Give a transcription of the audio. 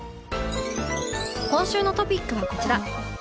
今週のトピックはこちら